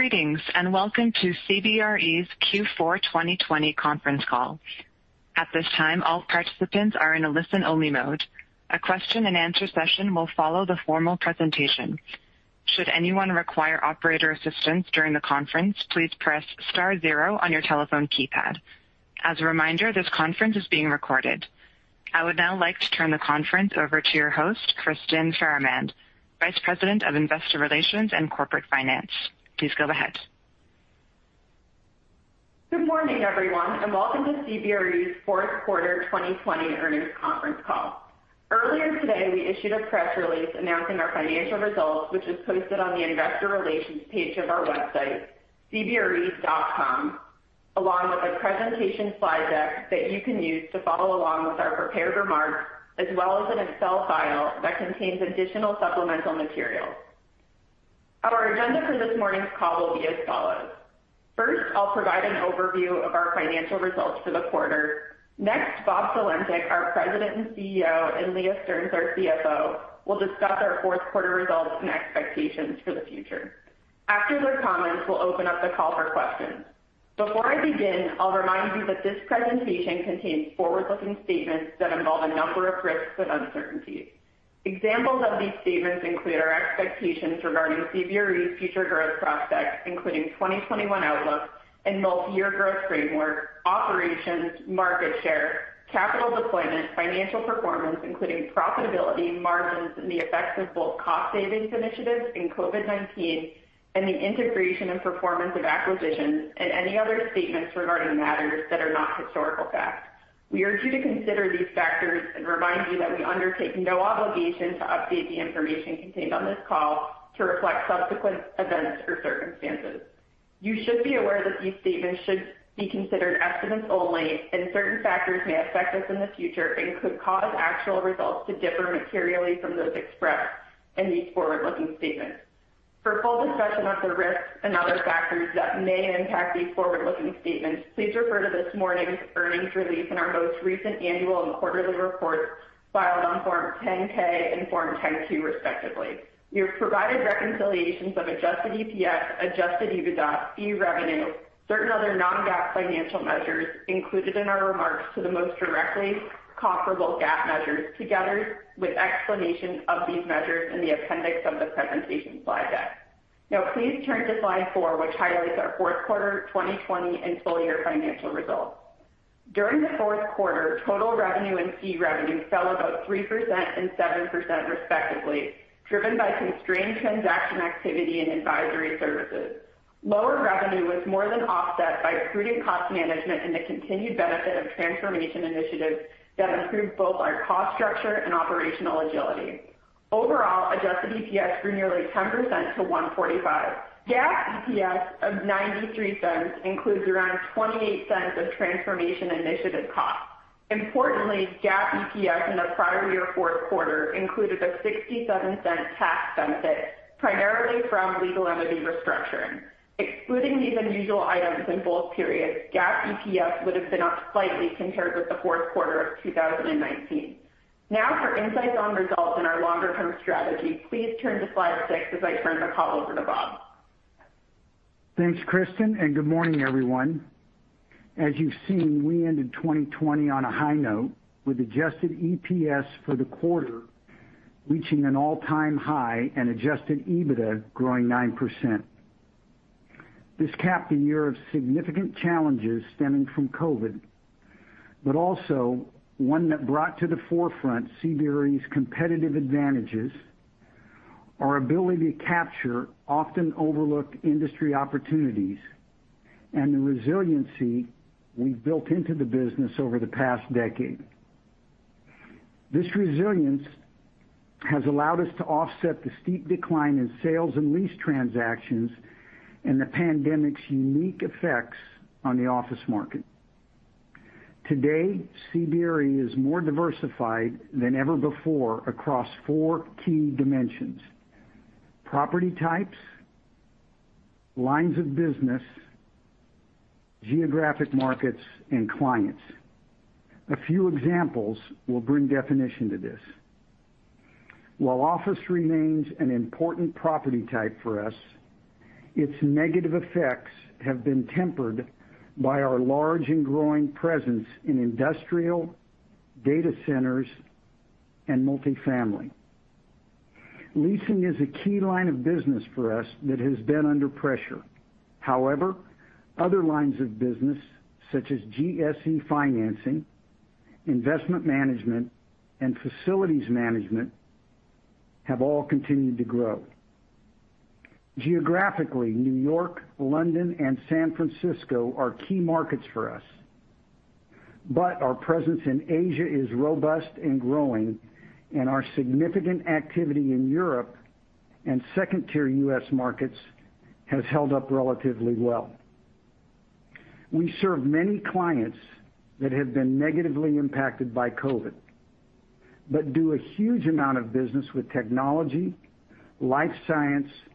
Greetings, and welcome to CBRE's Q4 2020 conference call. I would now like to turn the conference over to your host, Kristyn Farahmand, Vice President of Investor Relations and Corporate Finance. Please go ahead. Good morning, everyone, and welcome to CBRE's fourth quarter 2020 earnings conference call. Earlier today, we issued a press release announcing our financial results, which is posted on the investor relations page of our website, cbre.com, along with a presentation slide deck that you can use to follow along with our prepared remarks, as well as an Excel file that contains additional supplemental materials. Our agenda for this morning's call will be as follows. First, I'll provide an overview of our financial results for the quarter. Next, Bob Sulentic, our President and CEO, and Leah Stearns, our CFO, will discuss our fourth quarter results and expectations for the future. After their comments, we'll open up the call for questions. Before I begin, I'll remind you that this presentation contains forward-looking statements that involve a number of risks and uncertainties. Examples of these statements include our expectations regarding CBRE's future growth prospects, including 2021 outlook and multi-year growth framework, operations, market share, capital deployment, financial performance, including profitability margins, and the effects of both cost savings initiatives and COVID-19, and the integration and performance of acquisitions, and any other statements regarding matters that are not historical facts. We urge you to consider these factors and remind you that we undertake no obligation to update the information contained on this call to reflect subsequent events or circumstances. You should be aware that these statements should be considered as evidence only, and certain factors may affect us in the future and could cause actual results to differ materially from those expressed in these forward-looking statements. For full discussion of the risks and other factors that may impact these forward-looking statements, please refer to this morning's earnings release and our most recent annual and quarterly reports filed on Form 10-K and Form 10-Q, respectively. We have provided reconciliations of adjusted EPS, adjusted EBITDA, fee revenue, certain other non-GAAP financial measures included in our remarks to the most directly comparable GAAP measures, together with explanations of these measures in the appendix of the presentation slide deck. Now please turn to slide four, which highlights our fourth quarter 2020 and full-year financial results. During the fourth quarter, total revenue and fee revenue fell about 3% and 7% respectively, driven by constrained transaction activity and advisory services. Lower revenue was more than offset by prudent cost management and the continued benefit of transformation initiatives that improved both our cost structure and operational agility. Overall, adjusted EPS grew nearly 10% to $1.45. GAAP EPS of $0.93 includes around $0.28 of transformation initiative costs. Importantly, GAAP EPS in the prior year fourth quarter included a $0.67 tax benefit, primarily from legal entity restructuring. Excluding these unusual items in both periods, GAAP EPS would have been up slightly compared with the fourth quarter of 2019. Now for insights on results and our longer-term strategy, please turn to slide six as I turn the call over to Bob. Thanks, Kristyn, good morning, everyone. As you've seen, we ended 2020 on a high note with adjusted EPS for the quarter reaching an all-time high and adjusted EBITDA growing 9%. This capped a year of significant challenges stemming from COVID, but also one that brought to the forefront CBRE's competitive advantages, our ability to capture often overlooked industry opportunities, and the resiliency we've built into the business over the past decade. This resilience has allowed us to offset the steep decline in sales and lease transactions and the pandemic's unique effects on the office market. Today, CBRE is more diversified than ever before across four key dimensions: property types, lines of business, geographic markets, and clients. A few examples will bring definition to this. While office remains an important property type for us, its negative effects have been tempered by our large and growing presence in industrial, data centers, and multifamily. Leasing is a key line of business for us that has been under pressure. Other lines of business, such as GSE financing, investment management, and facilities management, have all continued to grow. Geographically, New York, London, and San Francisco are key markets for us. Our presence in Asia is robust and growing, and our significant activity in Europe and second-tier U.S. markets has held up relatively well. We serve many clients that have been negatively impacted by COVID, but do a huge amount of business with technology, life science, and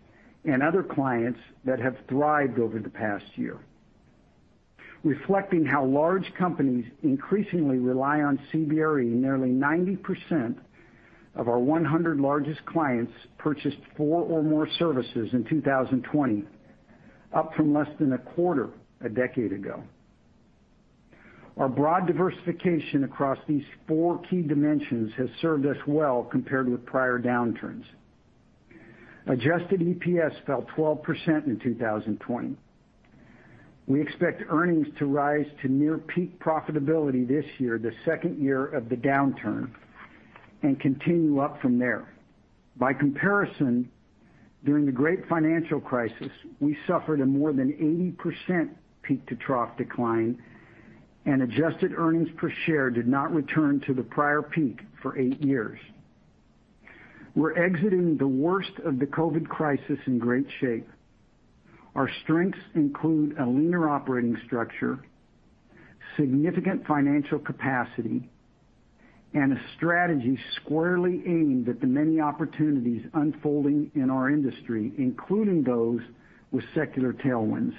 other clients that have thrived over the past year. Reflecting how large companies increasingly rely on CBRE, nearly 90% of our 100 largest clients purchased four or more services in 2020, up from less than a quarter a decade ago. Our broad diversification across these four key dimensions has served us well compared with prior downturns. Adjusted EPS fell 12% in 2020. We expect earnings to rise to near peak profitability this year, the second year of the downturn, and continue up from there. By comparison, during the Great Financial Crisis, we suffered a more than 80% peak-to-trough decline, and adjusted earnings per share did not return to the prior peak for eight years. We're exiting the worst of the COVID crisis in great shape. Our strengths include a leaner operating structure, significant financial capacity, and a strategy squarely aimed at the many opportunities unfolding in our industry, including those with secular tailwinds.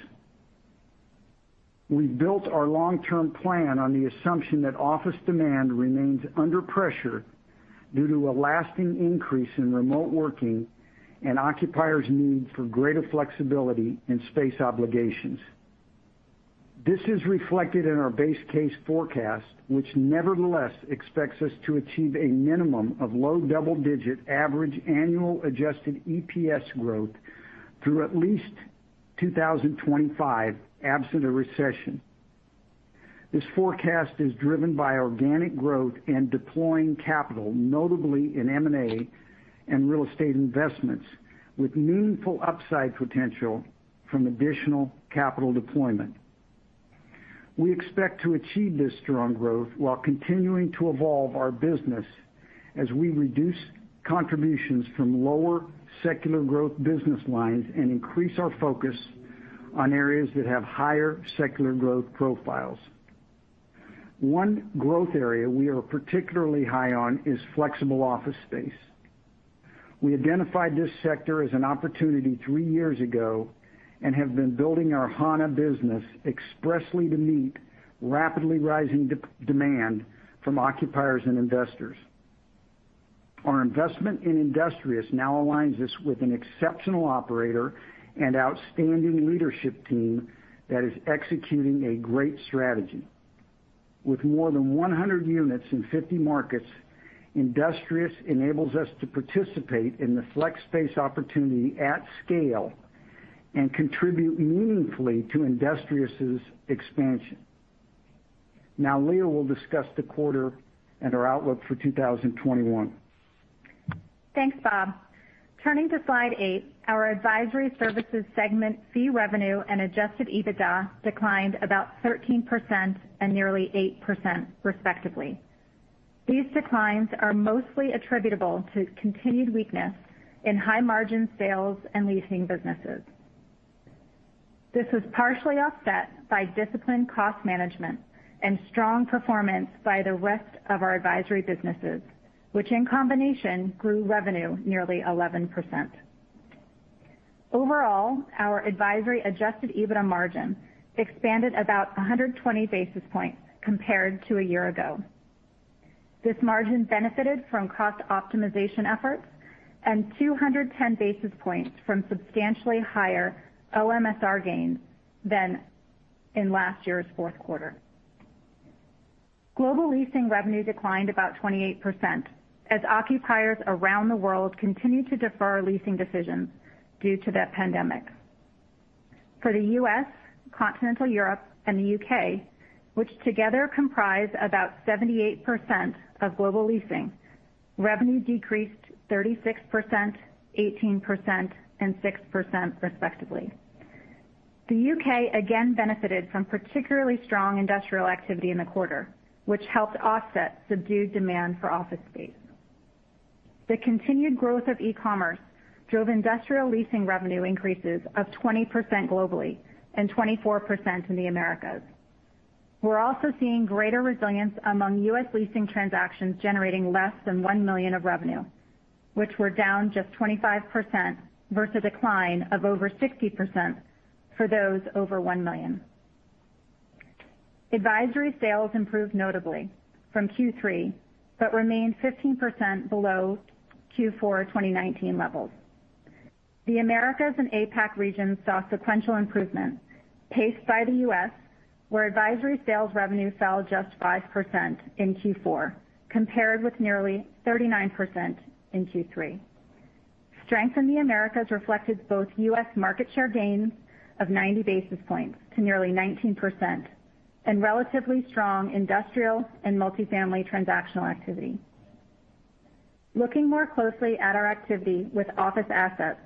We've built our long-term plan on the assumption that office demand remains under pressure due to a lasting increase in remote working and occupiers' need for greater flexibility in space obligations. This is reflected in our base case forecast, which nevertheless expects us to achieve a minimum of low double-digit average annual adjusted EPS growth through at least 2025, absent a recession. This forecast is driven by organic growth and deploying capital, notably in M&A and real estate investments, with meaningful upside potential from additional capital deployment. We expect to achieve this strong growth while continuing to evolve our business as we reduce contributions from lower secular growth business lines and increase our focus on areas that have higher secular growth profiles. One growth area we are particularly high on is flexible office space. We identified this sector as an opportunity three years ago and have been building our Hana business expressly to meet rapidly rising demand from occupiers and investors. Our investment in Industrious now aligns us with an exceptional operator and outstanding leadership team that is executing a great strategy. With more than 100 units in 50 markets, Industrious enables us to participate in the flex space opportunity at scale and contribute meaningfully to Industrious' expansion. Now Leah will discuss the quarter and our outlook for 2021. Thanks, Bob. Turning to slide eight, our advisory services segment fee revenue and adjusted EBITDA declined about 13% and nearly 8%, respectively. These declines are mostly attributable to continued weakness in high-margin sales and leasing businesses. This was partially offset by disciplined cost management and strong performance by the rest of our advisory businesses, which in combination grew revenue nearly 11%. Overall, our advisory adjusted EBITDA margin expanded about 120 basis points compared to a year ago. This margin benefited from cost optimization efforts and 210 basis points from substantially higher OMSR gains than in last year's fourth quarter. Global leasing revenue declined about 28%, as occupiers around the world continued to defer leasing decisions due to the pandemic. For the U.S., continental Europe, and the U.K., which together comprise about 78% of global leasing, revenue decreased 36%, 18%, and 6%, respectively. The U.K. again benefited from particularly strong industrial activity in the quarter, which helped offset subdued demand for office space. The continued growth of e-commerce drove industrial leasing revenue increases of 20% globally and 24% in the Americas. We're also seeing greater resilience among U.S. leasing transactions generating less than $1 million of revenue, which were down just 25%, versus a decline of over 60% for those over $1 million. Advisory sales improved notably from Q3, but remained 15% below Q4 2019 levels. The Americas and APAC regions saw sequential improvement paced by the U.S., where advisory sales revenue fell just 5% in Q4 compared with nearly 39% in Q3. Strength in the Americas reflected both U.S. market share gains of 90 basis points to nearly 19%, and relatively strong industrial and multifamily transactional activity. Looking more closely at our activity with office assets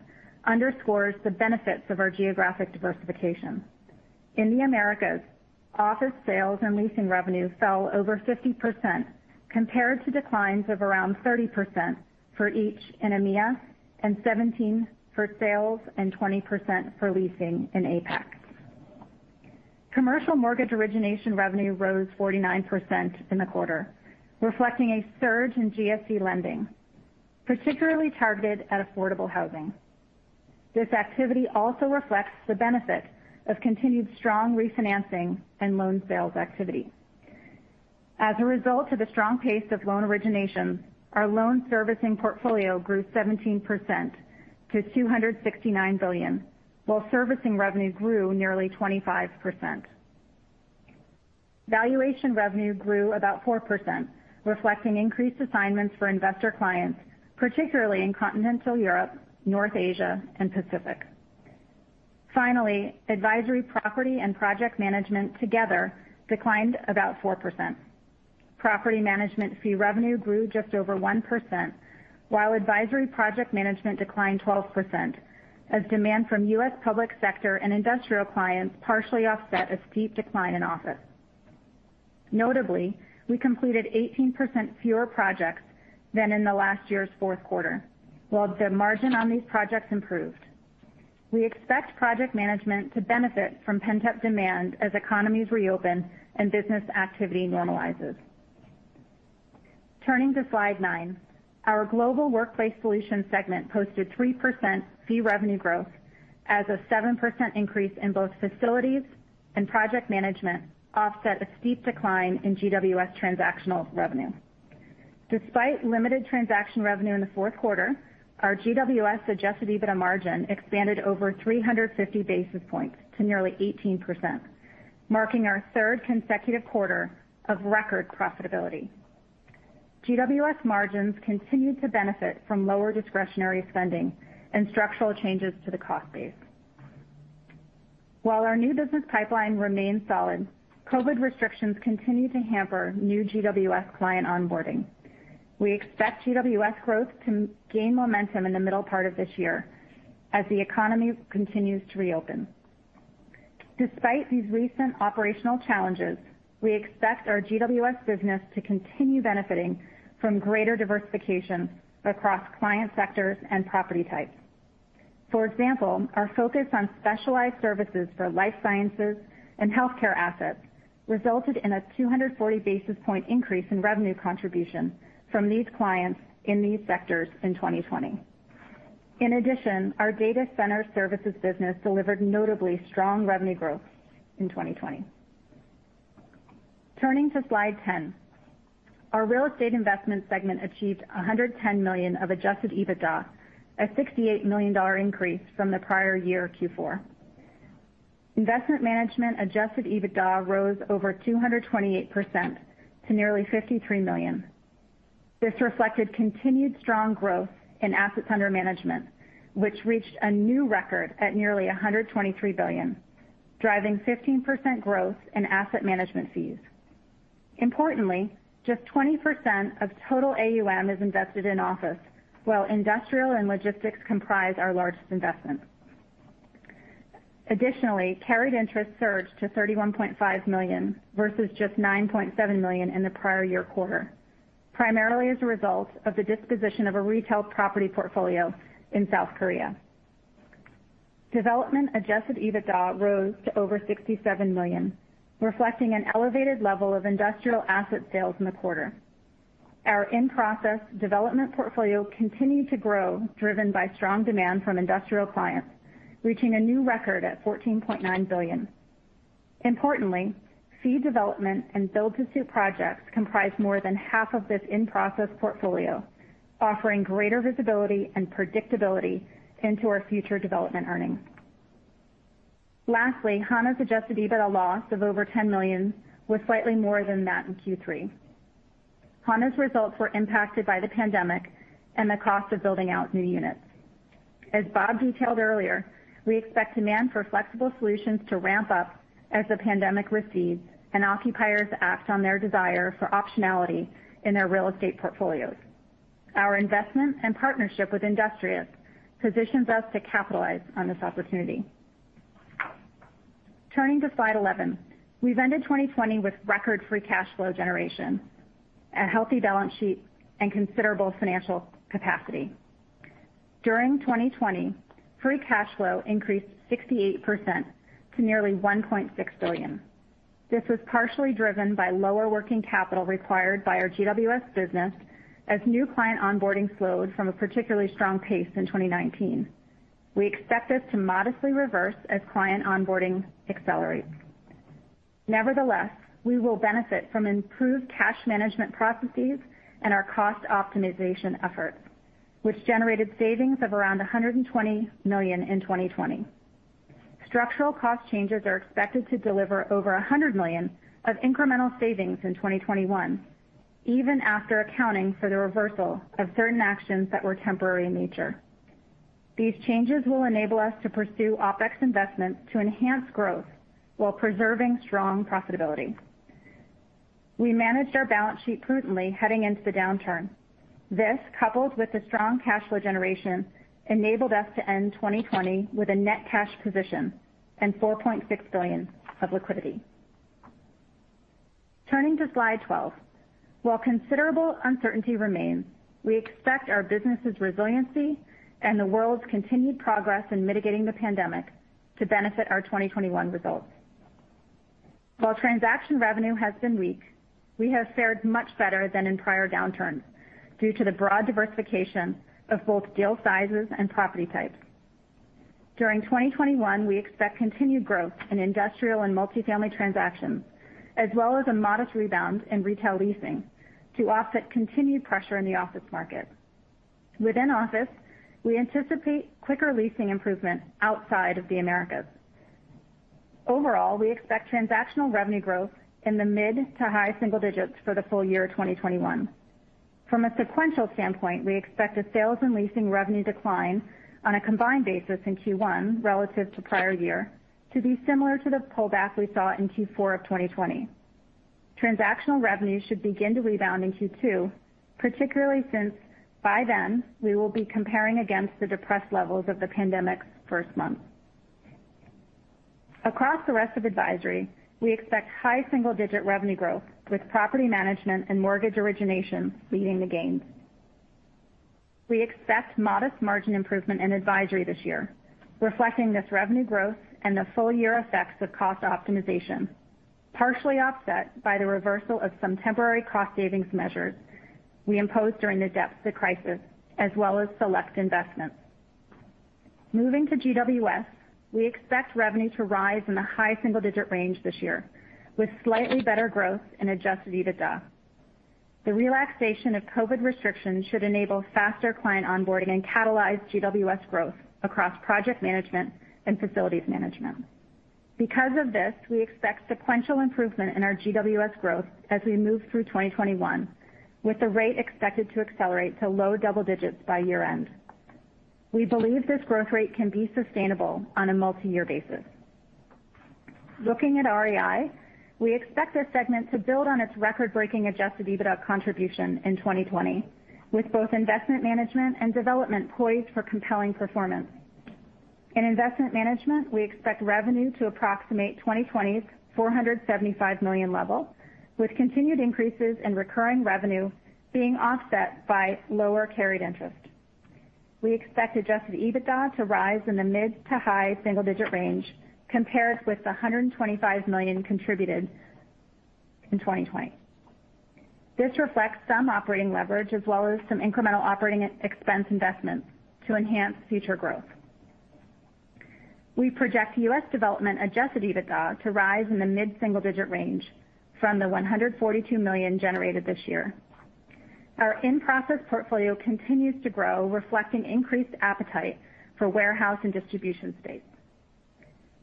underscores the benefits of our geographic diversification. In the Americas, office sales and leasing revenue fell over 50%, compared to declines of around 30% for each in EMEA, and 17% for sales and 20% for leasing in APAC. Commercial mortgage origination revenue rose 49% in the quarter, reflecting a surge in GSE lending, particularly targeted at affordable housing. This activity also reflects the benefit of continued strong refinancing and loan sales activity. As a result of the strong pace of loan originations, our loan servicing portfolio grew 17% to $269 billion, while servicing revenue grew nearly 25%. Valuation revenue grew about 4%, reflecting increased assignments for investor clients, particularly in Continental Europe, North Asia, and Pacific. Advisory property and project management together declined about 4%. Property management fee revenue grew just over 1%, while advisory project management declined 12%, as demand from U.S. public sector and industrial clients partially offset a steep decline in office. Notably, we completed 18% fewer projects than in the last year's fourth quarter. While the margin on these projects improved, we expect project management to benefit from pent-up demand as economies reopen and business activity normalizes. Turning to slide 9. Our Global Workplace Solutions segment posted 3% fee revenue growth as a 7% increase in both facilities and project management offset a steep decline in GWS transactional revenue. Despite limited transaction revenue in the fourth quarter, our GWS adjusted EBITDA margin expanded over 350 basis points to nearly 18%, marking our third consecutive quarter of record profitability. GWS margins continued to benefit from lower discretionary spending and structural changes to the cost base. While our new business pipeline remains solid, COVID restrictions continue to hamper new GWS client onboarding. We expect GWS growth to gain momentum in the middle part of this year as the economy continues to reopen. Despite these recent operational challenges, we expect our GWS business to continue benefiting from greater diversification across client sectors and property types. For example, our focus on specialized services for life sciences and healthcare assets resulted in a 240 basis point increase in revenue contribution from these clients in these sectors in 2020. In addition, our data center services business delivered notably strong revenue growth in 2020. Turning to slide 10. Our real estate investment segment achieved $110 million of adjusted EBITDA, a $68 million increase from the prior year Q4. Investment management adjusted EBITDA rose over 228% to nearly $53 million. This reflected continued strong growth in assets under management, which reached a new record at nearly $123 billion, driving 15% growth in asset management fees. Importantly, just 20% of total AUM is invested in office, while industrial and logistics comprise our largest investment. Additionally, carried interest surged to $31.5 million versus just $9.7 million in the prior year quarter, primarily as a result of the disposition of a retail property portfolio in South Korea. Development adjusted EBITDA rose to over $67 million, reflecting an elevated level of industrial asset sales in the quarter. Our in-process development portfolio continued to grow, driven by strong demand from industrial clients, reaching a new record at $14.9 billion. Importantly, fee development and build-to-suit projects comprise more than half of this in-process portfolio, offering greater visibility and predictability into our future development earnings. Lastly, Hana's adjusted EBITDA loss of over $10 million was slightly more than that in Q3. Hana's results were impacted by the pandemic and the cost of building out new units. As Bob detailed earlier, we expect demand for flexible solutions to ramp up as the pandemic recedes and occupiers act on their desire for optionality in their real estate portfolios. Our investment and partnership with Industrious positions us to capitalize on this opportunity. Turning to slide 11. We've ended 2020 with record free cash flow generation, a healthy balance sheet, and considerable financial capacity. During 2020, free cash flow increased 68% to nearly $1.6 billion. This was partially driven by lower working capital required by our GWS business as new client onboarding slowed from a particularly strong pace in 2019. We expect this to modestly reverse as client onboarding accelerates. Nevertheless, we will benefit from improved cash management processes and our cost optimization efforts, which generated savings of around $120 million in 2020. Structural cost changes are expected to deliver over $100 million of incremental savings in 2021, even after accounting for the reversal of certain actions that were temporary in nature. These changes will enable us to pursue OpEx investments to enhance growth while preserving strong profitability. We managed our balance sheet prudently heading into the downturn. This, coupled with the strong cash flow generation, enabled us to end 2020 with a net cash position and $4.6 billion of liquidity. Turning to slide 12. While considerable uncertainty remains, we expect our businesses' resiliency and the world's continued progress in mitigating the pandemic to benefit our 2021 results. While transaction revenue has been weak, we have fared much better than in prior downturns due to the broad diversification of both deal sizes and property types. During 2021, we expect continued growth in industrial and multifamily transactions, as well as a modest rebound in retail leasing to offset continued pressure in the office market. Within office, we anticipate quicker leasing improvement outside of the Americas. Overall, we expect transactional revenue growth in the mid to high single digits for the full year 2021. From a sequential standpoint, we expect a sales and leasing revenue decline on a combined basis in Q1 relative to prior year to be similar to the pullback we saw in Q4 of 2020. Transactional revenue should begin to rebound in Q2, particularly since by then we will be comparing against the depressed levels of the pandemic's first months. Across the rest of advisory, we expect high single-digit revenue growth with property management and mortgage origination leading the gains. We expect modest margin improvement in advisory this year, reflecting this revenue growth and the full-year effects of cost optimization, partially offset by the reversal of some temporary cost savings measures we imposed during the depths of crisis as well as select investments. Moving to GWS, we expect revenue to rise in the high single-digit range this year with slightly better growth in adjusted EBITDA. The relaxation of COVID restrictions should enable faster client onboarding and catalyze GWS growth across project management and facilities management. Because of this, we expect sequential improvement in our GWS growth as we move through 2021, with the rate expected to accelerate to low double digits by year-end. We believe this growth rate can be sustainable on a multi-year basis. Looking at REI, we expect this segment to build on its record-breaking adjusted EBITDA contribution in 2020, with both investment management and development poised for compelling performance. In investment management, we expect revenue to approximate 2020's $475 million level, with continued increases in recurring revenue being offset by lower carried interest. We expect adjusted EBITDA to rise in the mid to high single-digit range compared with the $125 million contributed in 2020. This reflects some operating leverage as well as some incremental operating expense investments to enhance future growth. We project U.S. development adjusted EBITDA to rise in the mid-single-digit range from the $142 million generated this year. Our in-process portfolio continues to grow, reflecting increased appetite for warehouse and distribution space.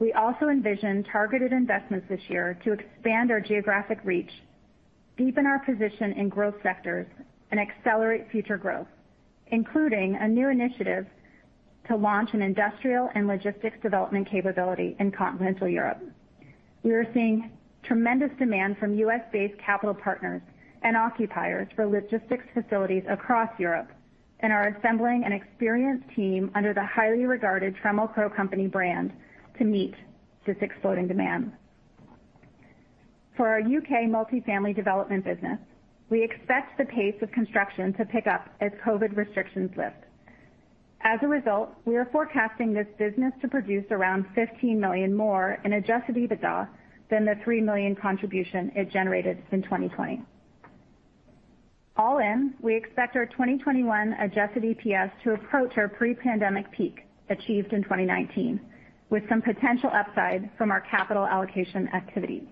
We also envision targeted investments this year to expand our geographic reach, deepen our position in growth sectors, and accelerate future growth, including a new initiative to launch an industrial and logistics development capability in continental Europe. We are seeing tremendous demand from U.S.-based capital partners and occupiers for logistics facilities across Europe and are assembling an experienced team under the highly regarded Trammell Crow Company brand to meet this exploding demand. For our U.K. multifamily development business, we expect the pace of construction to pick up as COVID restrictions lift. As a result, we are forecasting this business to produce around $15 million more in adjusted EBITDA than the $3 million contribution it generated in 2020. All in, we expect our 2021 adjusted EPS to approach our pre-pandemic peak achieved in 2019, with some potential upside from our capital allocation activities.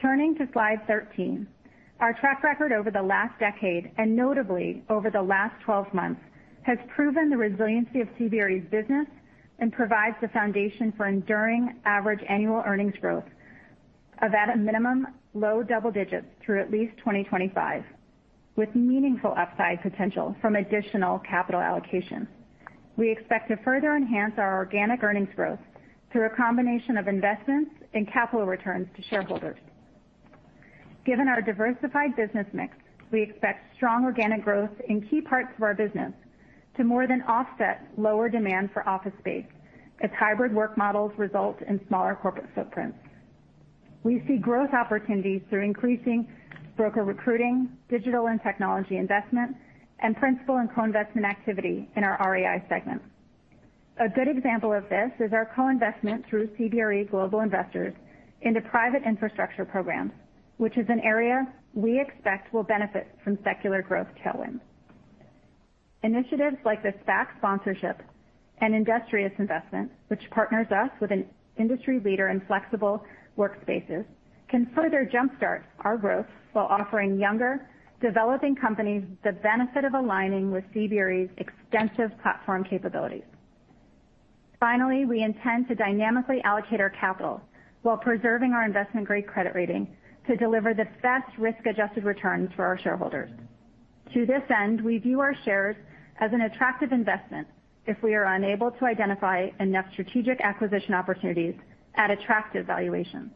Turning to slide 13. Our track record over the last decade, and notably over the last 12 months, has proven the resiliency of CBRE's business and provides the foundation for enduring average annual earnings growth of at a minimum low double digits through at least 2025, with meaningful upside potential from additional capital allocation. We expect to further enhance our organic earnings growth through a combination of investments and capital returns to shareholders. Given our diversified business mix, we expect strong organic growth in key parts of our business to more than offset lower demand for office space as hybrid work models result in smaller corporate footprints. We see growth opportunities through increasing broker recruiting, digital and technology investment, and principal and co-investment activity in our REI segment. A good example of this is our co-investment through CBRE Global Investors into private infrastructure programs, which is an area we expect will benefit from secular growth tailwinds. Initiatives like the SPAC sponsorship and Industrious investment, which partners us with an industry leader in flexible workspaces, can further jumpstart our growth while offering younger, developing companies the benefit of aligning with CBRE's extensive platform capabilities. Finally, we intend to dynamically allocate our capital while preserving our investment-grade credit rating to deliver the best risk-adjusted returns for our shareholders. To this end, we view our shares as an attractive investment if we are unable to identify enough strategic acquisition opportunities at attractive valuations.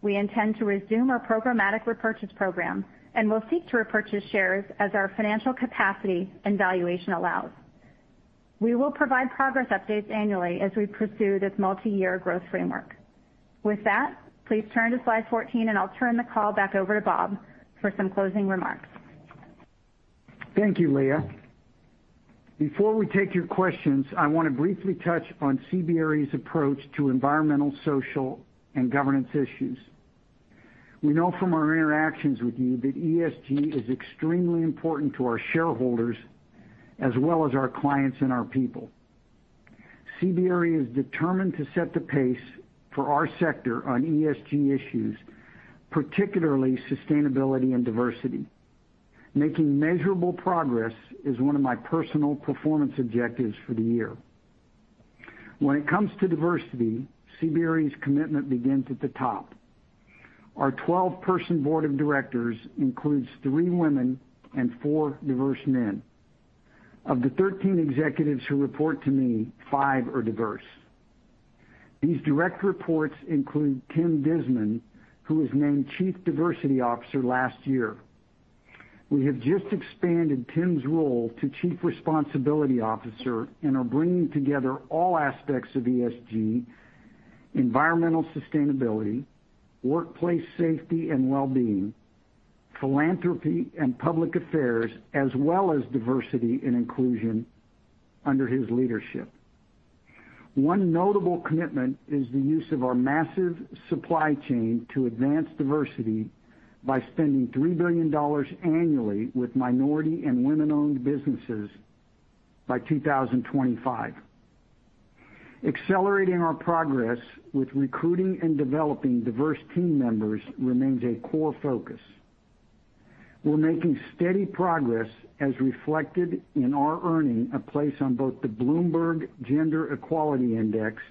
We intend to resume our programmatic repurchase program and will seek to repurchase shares as our financial capacity and valuation allows. We will provide progress updates annually as we pursue this multi-year growth framework. With that, please turn to slide 14, and I'll turn the call back over to Bob for some closing remarks. Thank you, Leah. Before we take your questions, I want to briefly touch on CBRE's approach to ESG issues. We know from our interactions with you that ESG is extremely important to our shareholders, as well as our clients and our people. CBRE is determined to set the pace for our sector on ESG issues, particularly sustainability and diversity. Making measurable progress is one of my personal performance objectives for the year. When it comes to diversity, CBRE's commitment begins at the top. Our 12-person board of directors includes three women and four diverse men. Of the 13 executives who report to me, five are diverse. These direct reports include Tim Dismond, who was named Chief Diversity Officer last year. We have just expanded Tim's role to Chief Responsibility Officer and are bringing together all aspects of ESG, environmental sustainability, workplace safety and wellbeing, philanthropy and public affairs, as well as diversity and inclusion under his leadership. One notable commitment is the use of our massive supply chain to advance diversity by spending $3 billion annually with minority and women-owned businesses by 2025. Accelerating our progress with recruiting and developing diverse team members remains a core focus. We're making steady progress as reflected in our earning a place on both the Bloomberg Gender-Equality Index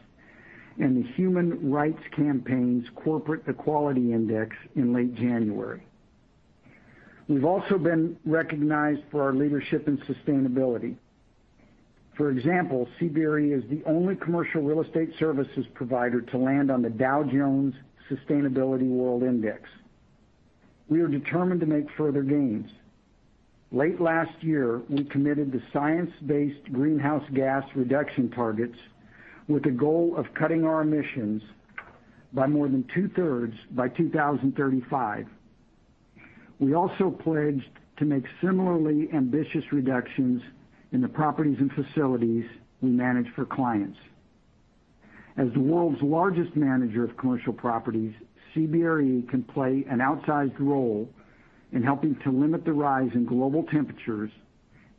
and the Human Rights Campaign's Corporate Equality Index in late January. We've also been recognized for our leadership in sustainability. For example, CBRE is the only commercial real estate services provider to land on the Dow Jones Sustainability World Index. We are determined to make further gains. Late last year, we committed to science-based greenhouse gas reduction targets with the goal of cutting our emissions by more than two-thirds by 2035. We also pledged to make similarly ambitious reductions in the properties and facilities we manage for clients. As the world's largest manager of commercial properties, CBRE can play an outsized role in helping to limit the rise in global temperatures,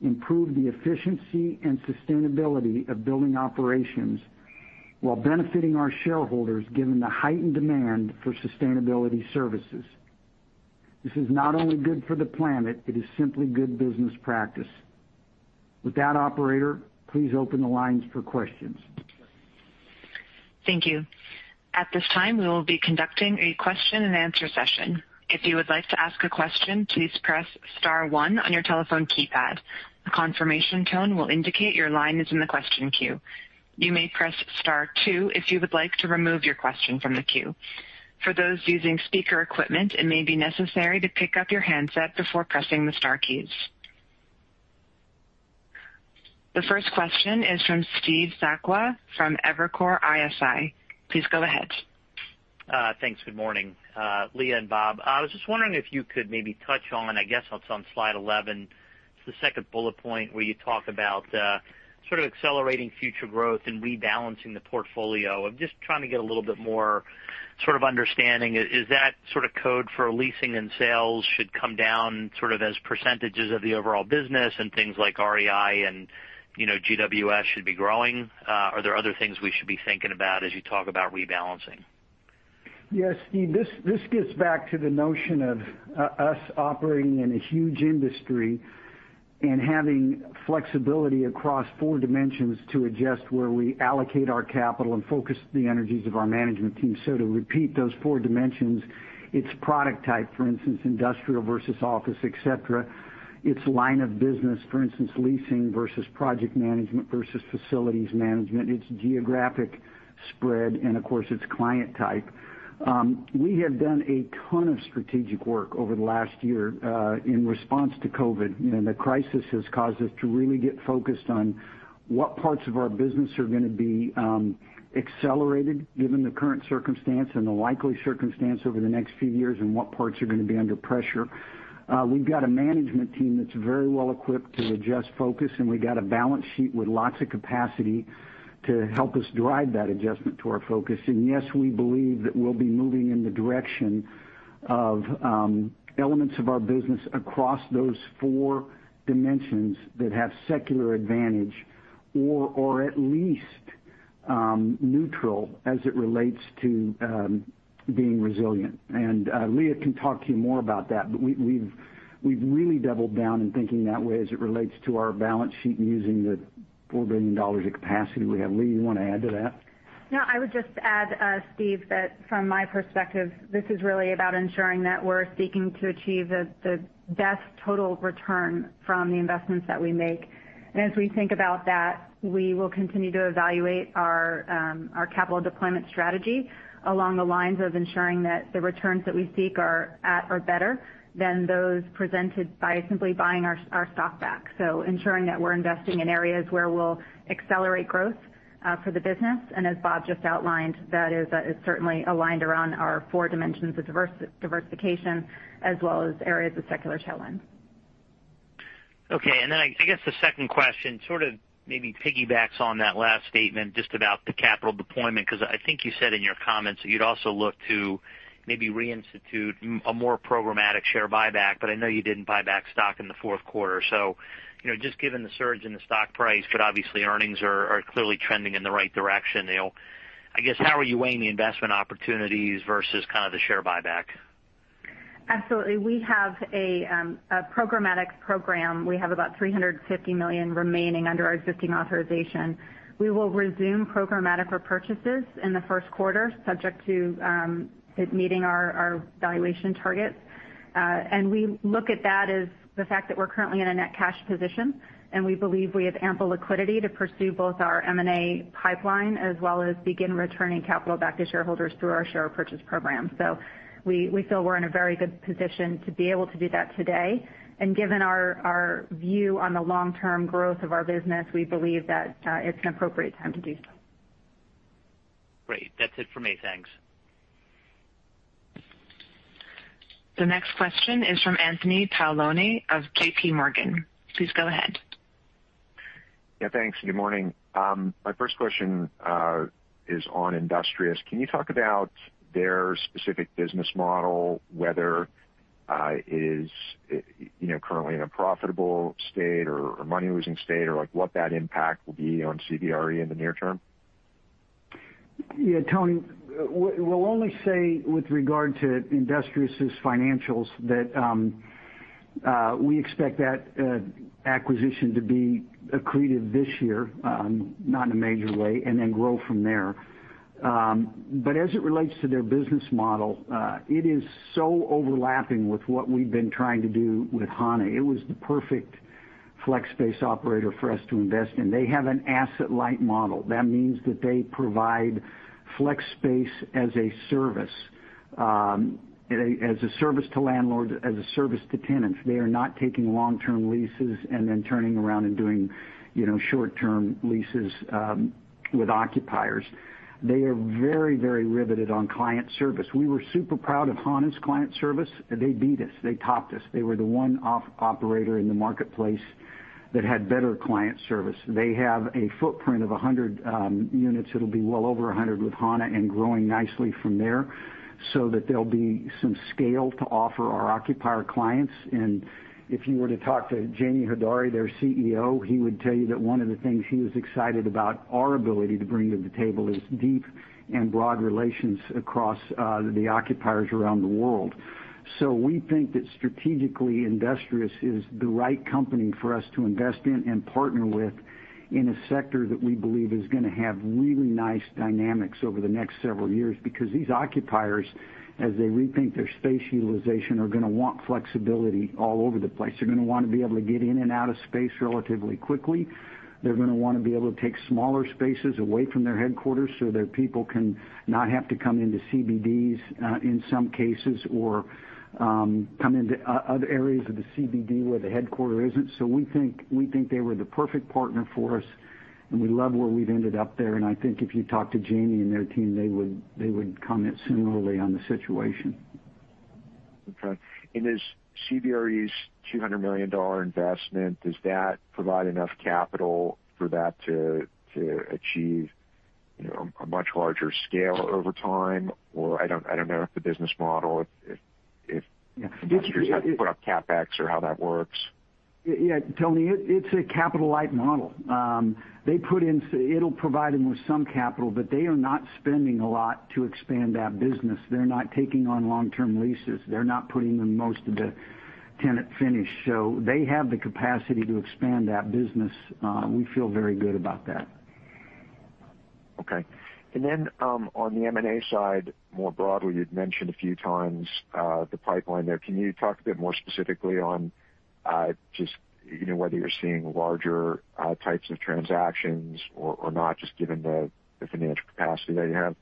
improve the efficiency and sustainability of building operations while benefiting our shareholders given the heightened demand for sustainability services. This is not only good for the planet, it is simply good business practice. With that, operator, please open the lines for questions. Thank you. At this time will would be conducting a question and answer session, if you would like to ask a question please press star one on your telephone keypad, a confirmation tone will indicate your line is in the question queue, you may press star two if you would like to remove your question from the queue. For those using speaker equipment, it may be necessarily to pick up your handset before pressing the star key. The first question is from Steve Sakwa from Evercore ISI. Please go ahead. Thanks. Good morning, Leah and Bob. I was just wondering if you could maybe touch on, I guess it's on slide 11, it's the second bullet point where you talk about sort of accelerating future growth and rebalancing the portfolio. I'm just trying to get a little bit more sort of understanding. Is that sort of code for leasing and sales should come down sort of as percentages of the overall business and things like REI and GWS should be growing? Are there other things we should be thinking about as you talk about rebalancing? Yeah, Steve, this gets back to the notion of us operating in a huge industry and having flexibility across four dimensions to adjust where we allocate our capital and focus the energies of our management team. To repeat those four dimensions, it's product type, for instance, industrial versus office, et cetera. It's line of business, for instance, leasing versus project management versus facilities management. It's geographic spread, and of course, it's client type. We have done a ton of strategic work over the last year in response to COVID. The crisis has caused us to really get focused on what parts of our business are going to be accelerated given the current circumstance and the likely circumstance over the next few years, and what parts are going to be under pressure. We've got a management team that's very well equipped to adjust focus, and we've got a balance sheet with lots of capacity to help us drive that adjustment to our focus. Yes, we believe that we'll be moving in the direction of elements of our business across those four dimensions that have secular advantage or at least neutral as it relates to being resilient. Leah can talk to you more about that, but we've really doubled down in thinking that way as it relates to our balance sheet and using the $4 billion of capacity we have. Leah, you want to add to that? No, I would just add, Steve, that from my perspective, this is really about ensuring that we're seeking to achieve the best total return from the investments that we make. As we think about that, we will continue to evaluate our capital deployment strategy along the lines of ensuring that the returns that we seek are at or better than those presented by simply buying our stock back. Ensuring that we're investing in areas where we'll accelerate growth for the business. As Bob just outlined, that is certainly aligned around our four dimensions of diversification as well as areas of secular tailwinds. Okay. I guess the second question sort of maybe piggybacks on that last statement, just about the capital deployment, because I think you said in your comments that you'd also look to maybe reinstitute a more programmatic share buyback, but I know you didn't buy back stock in the fourth quarter. Just given the surge in the stock price, but obviously earnings are clearly trending in the right direction now. I guess, how are you weighing the investment opportunities versus kind of the share buyback? Absolutely. We have a programmatic program. We have about $350 million remaining under our existing authorization. We will resume programmatic repurchases in the first quarter, subject to it meeting our valuation targets. We look at that as the fact that we're currently in a net cash position, and we believe we have ample liquidity to pursue both our M&A pipeline, as well as begin returning capital back to shareholders through our share purchase program. We feel we're in a very good position to be able to do that today. Given our view on the long-term growth of our business, we believe that it's an appropriate time to do so. Great. That's it for me. Thanks. The next question is from Anthony Paolone of JPMorgan. Please go ahead. Yeah, thanks. Good morning. My first question is on Industrious. Can you talk about their specific business model, whether it is currently in a profitable state or money-losing state, or what that impact will be on CBRE in the near term? Tony, we'll only say with regard to Industrious' financials that we expect that acquisition to be accretive this year, not in a major way, then grow from there. As it relates to their business model, it is so overlapping with what we've been trying to do with Hana. It was the perfect flex space operator for us to invest in. They have an asset-light model. That means that they provide flex space as a service to landlords, as a service to tenants. They are not taking long-term leases then turning around and doing short-term leases with occupiers. They are very riveted on client service. We were super proud of Hana's client service. They beat us. They topped us. They were the one operator in the marketplace that had better client service. They have a footprint of 100 units. It'll be well over 100 with Hana and growing nicely from there, that there'll be some scale to offer our occupier clients. If you were to talk to Jamie Hodari, their CEO, he would tell you that one of the things he was excited about our ability to bring to the table is deep and broad relations across the occupiers around the world. We think that strategically, Industrious is the right company for us to invest in and partner with in a sector that we believe is going to have really nice dynamics over the next several years because these occupiers, as they rethink their space utilization, are going to want flexibility all over the place. They're going to want to be able to get in and out of space relatively quickly. They're going to want to be able to take smaller spaces away from their headquarters so their people can not have to come into CBDs in some cases or come into other areas of the CBD where the headquarter isn't. We think they were the perfect partner for us, and we love where we've ended up there. I think if you talk to Jamie and their team, they would comment similarly on the situation. Okay. Does CBRE's $200 million investment, does that provide enough capital for that to achieve a much larger scale over time? I don't know if the business model, if Industrious has to put up CapEx or how that works. Tony, it's a capital-light model. It'll provide them with some capital, they are not spending a lot to expand that business. They're not taking on long-term leases. They're not putting in most of the tenant finish. They have the capacity to expand that business. We feel very good about that. Okay. On the M&A side, more broadly, you'd mentioned a few times the pipeline there. Can you talk a bit more specifically on just whether you're seeing larger types of transactions or not, just given the financial capacity that you have?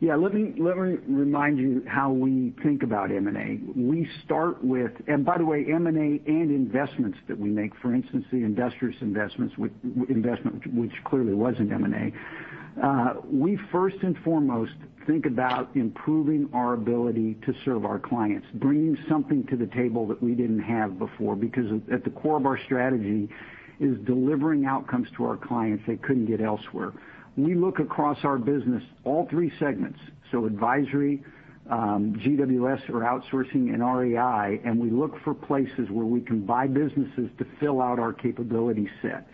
Yeah. Let me remind you how we think about M&A. We start with and by the way, M&A and investments that we make, for instance, the Industrious investment, which clearly wasn't M&A. We first and foremost think about improving our ability to serve our clients, bringing something to the table that we didn't have before, because at the core of our strategy is delivering outcomes to our clients they couldn't get elsewhere. We look across our business, all three segments, so Advisory, GWS or outsourcing, and REI, and we look for places where we can buy businesses to fill out our capability set.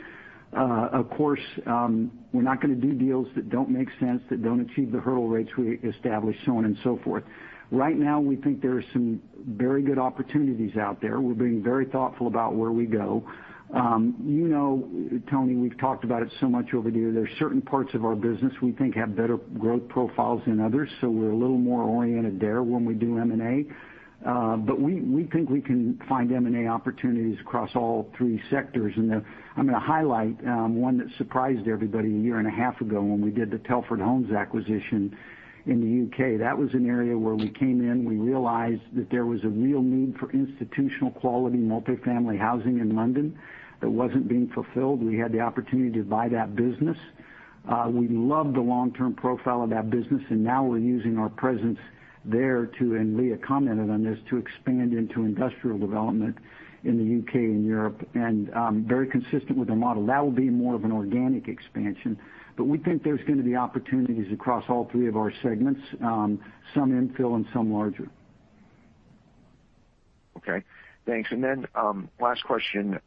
Of course, we're not going to do deals that don't make sense, that don't achieve the hurdle rates we establish, so on and so forth. Right now, we think there are some very good opportunities out there. We're being very thoughtful about where we go. You know, Tony, we've talked about it so much over the years. There's certain parts of our business we think have better growth profiles than others, so we're a little more oriented there when we do M&A. We think we can find M&A opportunities across all three sectors. I'm going to highlight one that surprised everybody a year and a half ago when we did the Telford Homes acquisition in the U.K. That was an area where we came in, we realized that there was a real need for institutional-quality multifamily housing in London that wasn't being fulfilled. We had the opportunity to buy that business. We love the long-term profile of that business, and now we're using our presence there to, and Leah commented on this, to expand into industrial development in the U.K. and Europe. Very consistent with the model. That will be more of an organic expansion. We think there's going to be opportunities across all three of our segments, some infill and some larger. Okay, thanks. Last question,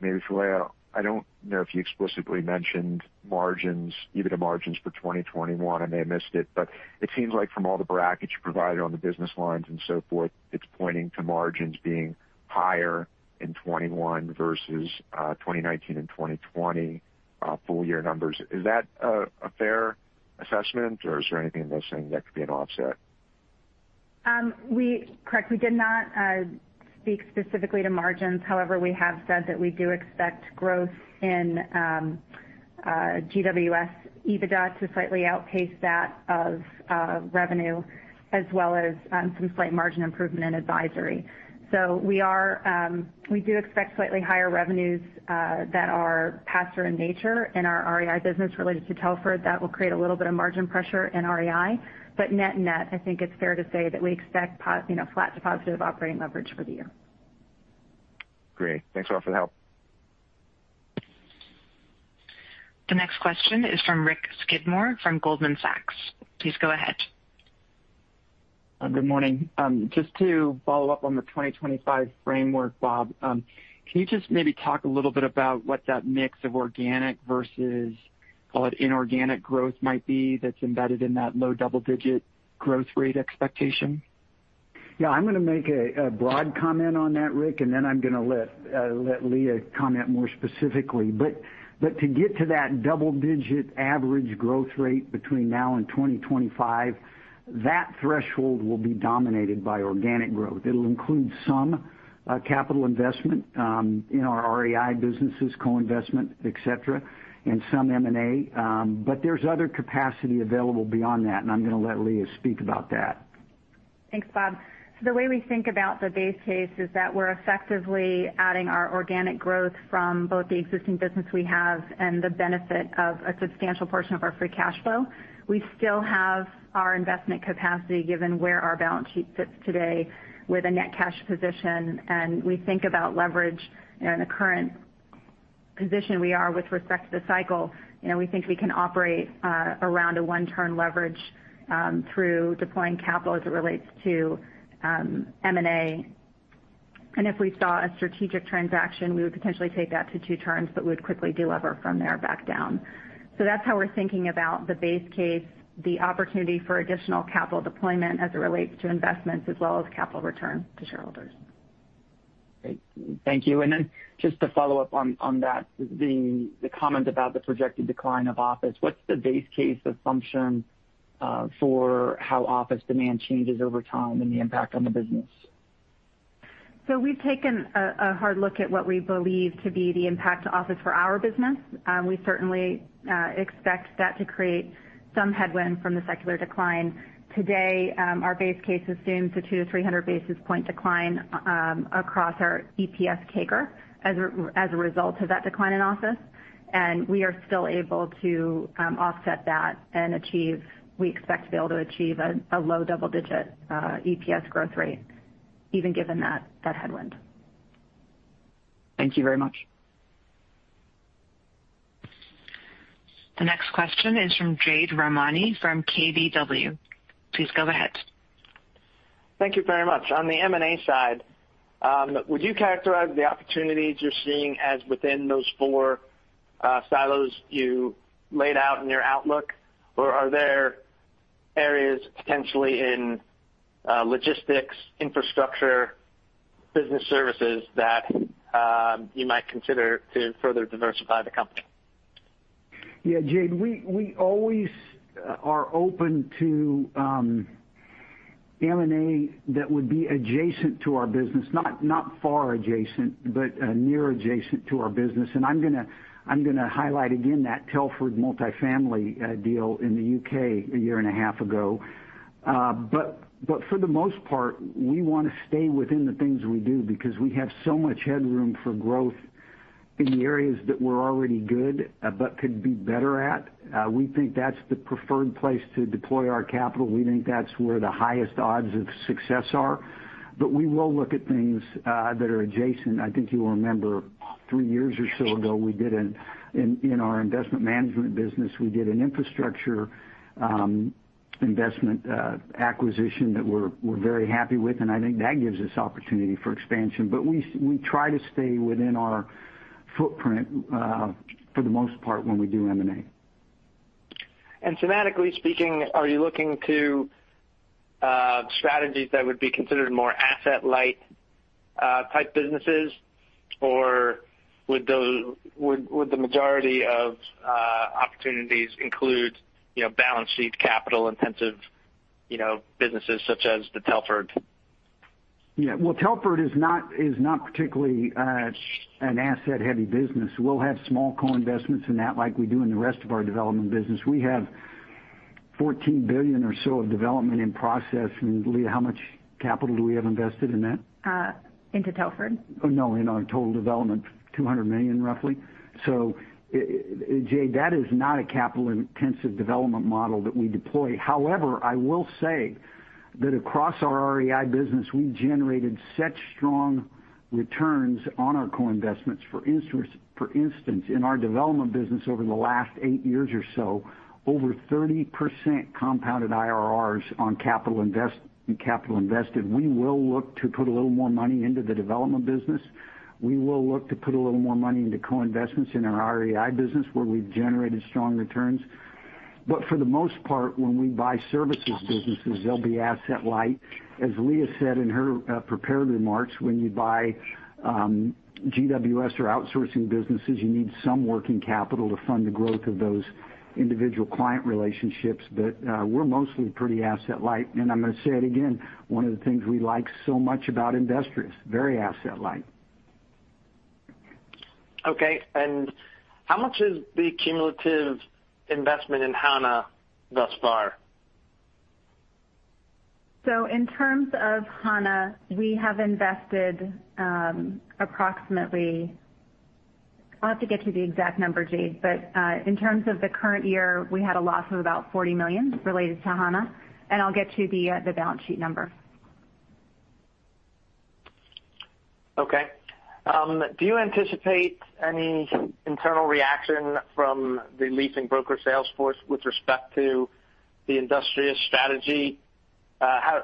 maybe for Leah. I don't know if you explicitly mentioned margins, EBITDA margins for 2021. I may have missed it. It seems like from all the brackets you provided on the business lines and so forth, it's pointing to margins being higher in 2021 versus 2019 and 2020 full-year numbers. Is that a fair assessment, or is there anything in those things that could be an offset? Correct. We did not speak specifically to margins. However, we have said that we do expect growth in GWS EBITDA to slightly outpace that of revenue as well as some slight margin improvement in advisory. We do expect slightly higher revenues that are faster in nature in our REI business related to Telford. That will create a little bit of margin pressure in REI. Net-net, I think it's fair to say that we expect flat to positive operating leverage for the year. Great. Thanks a lot for the help. The next question is from Richard Skidmore from Goldman Sachs. Please go ahead. Good morning. Just to follow up on the 2025 framework, Bob, can you just maybe talk a little bit about what that mix of organic versus, call it inorganic growth might be that's embedded in that low double-digit growth rate expectation? Yeah. I'm going to make a broad comment on that, Rick, and then I'm going to let Leah comment more specifically. To get to that double-digit average growth rate between now and 2025, that threshold will be dominated by organic growth. It'll include some capital investment in our REI businesses, co-investment, et cetera, and some M&A. There's other capacity available beyond that, and I'm going to let Leah speak about that. Thanks, Bob. The way we think about the base case is that we're effectively adding our organic growth from both the existing business we have and the benefit of a substantial portion of our free cash flow. We still have our investment capacity given where our balance sheet sits today with a net cash position. We think about leverage in the current position we are with respect to the cycle. We think we can operate around a one term leverage through deploying capital as it relates to M&A. If we saw a strategic transaction, we would potentially take that to two terms. We would quickly de-lever from there back down. That's how we're thinking about the base case, the opportunity for additional capital deployment as it relates to investments as well as capital return to shareholders. Great. Thank you. Just to follow up on that, the comment about the projected decline of office, what's the base case assumption for how office demand changes over time and the impact on the business? We've taken a hard look at what we believe to be the impact to office for our business. We certainly expect that to create some headwind from the secular decline. Today, our base case assumes a 200 to 300 basis point decline across our EPS CAGR as a result of that decline in office. We are still able to offset that and we expect to be able to achieve a low double-digit EPS growth rate even given that headwind. Thank you very much. The next question is from Jade Rahmani from KBW. Please go ahead. Thank you very much. On the M&A side, would you characterize the opportunities you're seeing as within those four silos you laid out in your outlook? Are there areas potentially in logistics, infrastructure, business services that you might consider to further diversify the company? Jade, we always are open to M&A that would be adjacent to our business. Not far adjacent, but near adjacent to our business. I'm going to highlight again that Telford multifamily deal in the U.K. a year and a half ago. For the most part, we want to stay within the things we do because we have so much headroom for growth in the areas that we're already good but could be better at. We think that's the preferred place to deploy our capital. We think that's where the highest odds of success are. We will look at things that are adjacent. I think you'll remember three years or so ago, in our investment management business, we did an infrastructure investment acquisition that we're very happy with, and I think that gives us opportunity for expansion. We try to stay within our footprint for the most part when we do M&A. Thematically speaking, are you looking to strategies that would be considered more asset-light type businesses, or would the majority of opportunities include balance sheet capital-intensive businesses such as the Telford? Yeah. Well, Telford is not particularly an asset-heavy business. We'll have small co-investments in that like we do in the rest of our development business. We have $14 billion or so of development in process. Leah, how much capital do we have invested in that? Into Telford? In our total development, roughly $200 million. Jade, that is not a capital-intensive development model that we deploy. However, I will say that across our REI business, we generated such strong returns on our co-investments. For instance, in our development business over the last eight years or so, over 30% compounded IRRs on capital invested. We will look to put a little more money into the development business. We will look to put a little more money into co-investments in our REI business, where we've generated strong returns. For the most part, when we buy services businesses, they'll be asset light. As Leah said in her prepared remarks, when you buy GWS or outsourcing businesses, you need some working capital to fund the growth of those individual client relationships. We're mostly pretty asset light. I'm going to say it again, one of the things we like so much about Industrious, very asset light. Okay. How much is the cumulative investment in Hana thus far? In terms of Hana, we have invested approximately. I'll have to get you the exact number, Jade. In terms of the current year, we had a loss of about $40 million related to Hana, and I'll get you the balance sheet number. Okay. Do you anticipate any internal reaction from the leasing broker sales force with respect to the Industrious strategy?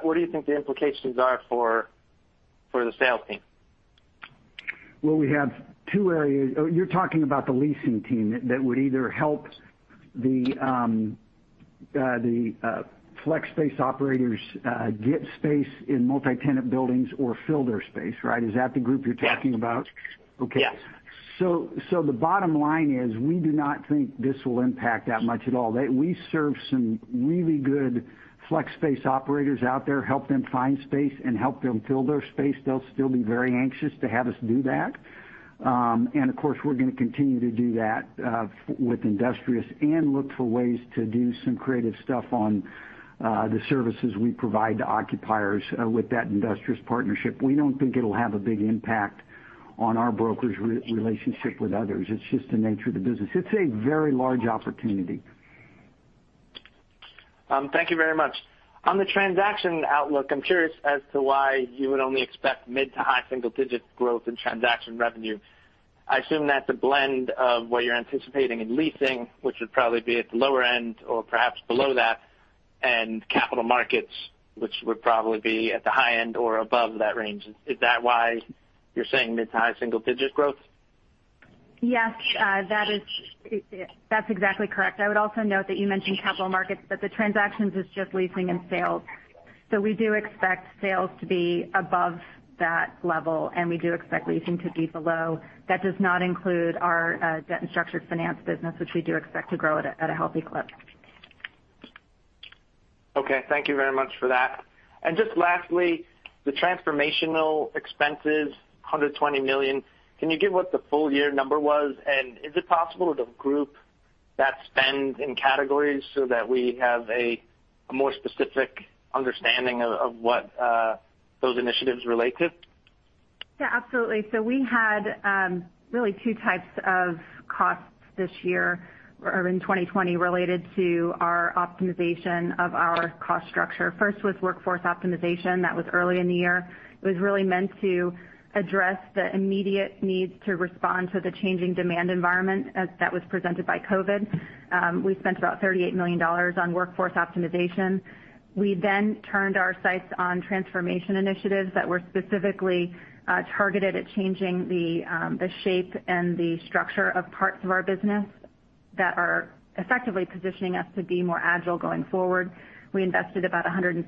What do you think the implications are for the sales team? We have two areas. You're talking about the leasing team that would either help the flex space operators get space in multi-tenant buildings or fill their space, right? Is that the group you're talking about? Yes. Okay. The bottom line is, we do not think this will impact that much at all. We serve some really good flex space operators out there, help them find space and help them fill their space. They'll still be very anxious to have us do that. Of course, we're going to continue to do that with Industrious and look for ways to do some creative stuff on the services we provide to occupiers with that Industrious partnership. We don't think it'll have a big impact on our brokers' relationship with others. It's just the nature of the business. It's a very large opportunity. Thank you very much. On the transaction outlook, I am curious as to why you would only expect mid to high single-digit growth in transaction revenue. I assume that is a blend of what you are anticipating in leasing, which would probably be at the lower end or perhaps below that, and capital markets, which would probably be at the high end or above that range. Is that why you are saying mid to high single-digit growth? Yes, that's exactly correct. I would also note that you mentioned capital markets, the transactions is just leasing and sales. We do expect sales to be above that level, and we do expect leasing to be below. That does not include our debt and structured finance business, which we do expect to grow at a healthy clip. Okay. Thank you very much for that. Just lastly, the transformational expenses, $120 million. Can you give what the full year number was? Is it possible to group that spend in categories so that we have a more specific understanding of what those initiatives relate to? Absolutely. We had really two types of costs this year or in 2020 related to our optimization of our cost structure. First was workforce optimization. That was early in the year. It was really meant to address the immediate needs to respond to the changing demand environment as that was presented by COVID. We spent about $38 million on workforce optimization. We turned our sights on transformation initiatives that were specifically targeted at changing the shape and the structure of parts of our business that are effectively positioning us to be more agile going forward. We invested about $176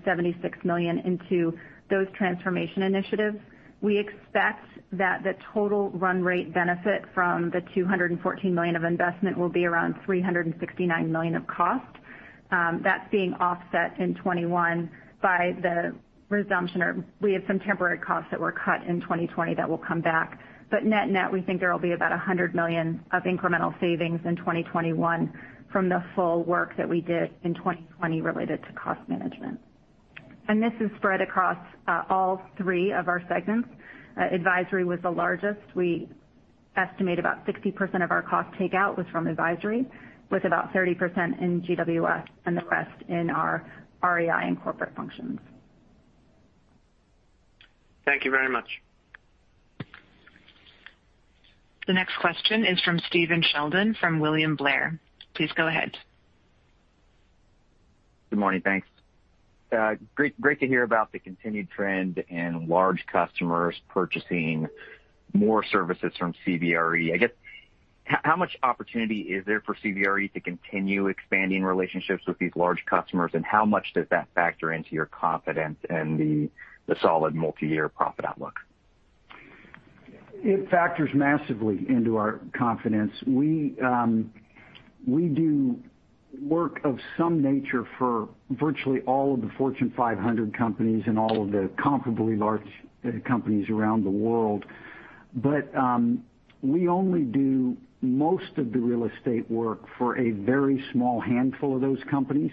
million into those transformation initiatives. We expect that the total run rate benefit from the $214 million of investment will be around $369 million of cost. That's being offset in 2021 by the resumption or we had some temporary costs that were cut in 2020 that will come back. Net-net, we think there will be about $100 million of incremental savings in 2021 from the full work that we did in 2020 related to cost management. This is spread across all three of our segments. Advisory was the largest. We estimate about 60% of our cost takeout was from Advisory, with about 30% in GWS and the rest in our REI and corporate functions. Thank you very much. The next question is from Stephen Sheldon from William Blair. Please go ahead. Good morning. Thanks. Great to hear about the continued trend in large customers purchasing more services from CBRE. I guess, how much opportunity is there for CBRE to continue expanding relationships with these large customers, and how much does that factor into your confidence in the solid multi-year profit outlook? It factors massively into our confidence. We do work of some nature for virtually all of the Fortune 500 companies and all of the comparably large companies around the world. We only do most of the real estate work for a very small handful of those companies,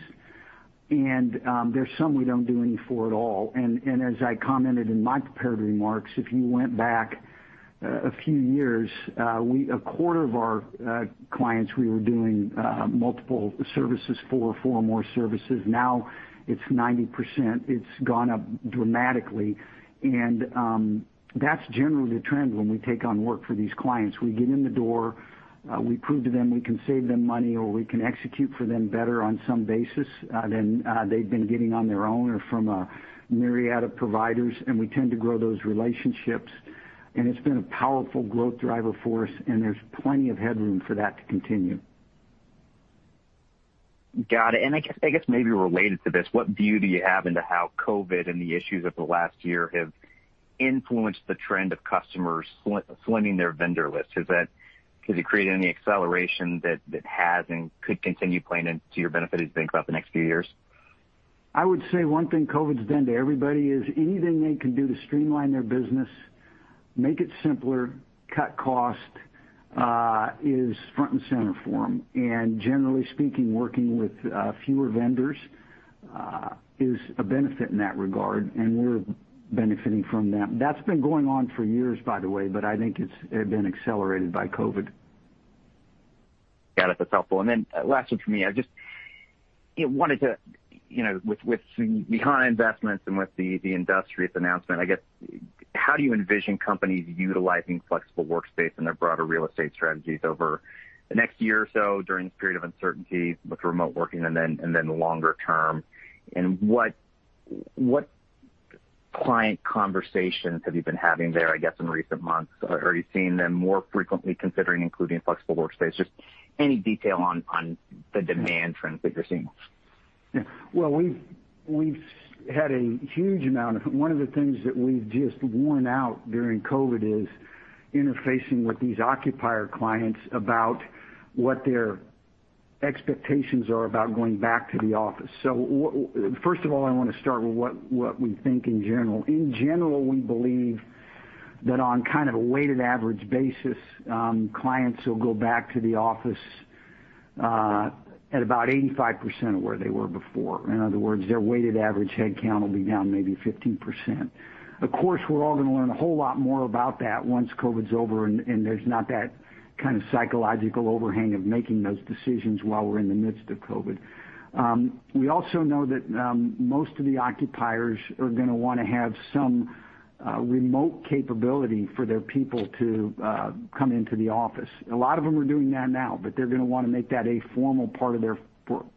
and there's some we don't do any for at all. As I commented in my prepared remarks, if you went back a few years, a quarter of our clients, we were doing multiple services for, four or more services. Now it's 90%. It's gone up dramatically. That's generally the trend when we take on work for these clients. We get in the door, we prove to them we can save them money, or we can execute for them better on some basis than they've been getting on their own or from a myriad of providers. We tend to grow those relationships, and it's been a powerful growth driver for us, and there's plenty of headroom for that to continue. Got it. I guess maybe related to this, what view do you have into how COVID and the issues of the last year have influenced the trend of customers slimming their vendor list? Has it created any acceleration that has and could continue playing into your benefit as you think about the next few years? I would say one thing COVID's done to everybody is anything they can do to streamline their business, make it simpler, cut cost, is front and center for them. Generally speaking, working with fewer vendors, is a benefit in that regard, and we're benefiting from that. That's been going on for years, by the way, but I think it had been accelerated by COVID. Got it. That's helpful. Last one from me. I just wanted to, with Hana investments and with the Industrious announcement, I guess, how do you envision companies utilizing flexible workspace in their broader real estate strategies over the next year or so during this period of uncertainty with remote working and then longer term? What client conversations have you been having there, I guess, in recent months? Are you seeing them more frequently considering including flexible workspace? Just any detail on the demand trends that you're seeing. Well, one of the things that we've just worn out during COVID is interfacing with these occupier clients about what their expectations are about going back to the office. First of all, I want to start with what we think in general. In general, we believe that on kind of a weighted average basis, clients will go back to the office at about 85% of where they were before. In other words, their weighted average headcount will be down maybe 15%. Of course, we're all going to learn a whole lot more about that once COVID's over, there's not that kind of psychological overhang of making those decisions while we're in the midst of COVID. We also know that most of the occupiers are going to want to have some remote capability for their people to come into the office. A lot of them are doing that now, but they're going to want to make that a formal part of their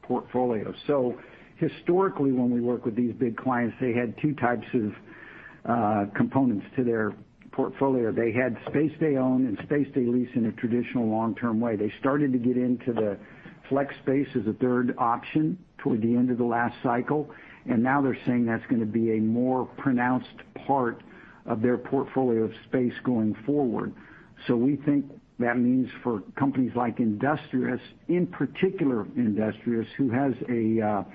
portfolio. Historically, when we work with these big clients, they had two types of components to their portfolio. They had space they own and space they lease in a traditional long-term way. They started to get into the flex space as a third option toward the end of the last cycle, and now they're saying that's going to be a more pronounced part of their portfolio of space going forward. We think that means for companies like Industrious, in particular Industrious, who has an